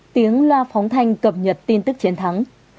tiếng loa phóng thanh cập nhật tin tức chiến thắng